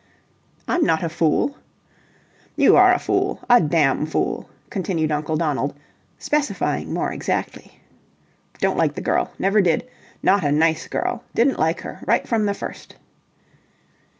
"I'm not a fool." "You are a fool. A damn fool," continued Uncle Donald, specifying more exactly. "Don't like the girl. Never did. Not a nice girl. Didn't like her. Right from the first."